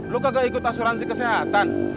lo kagak ikut asuransi kesehatan